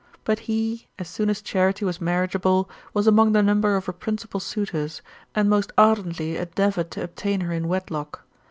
But he, as soon as Charite was marriageable, was among the number of her principal suitors, and most ardently endeavoured to obtain her in wedlock.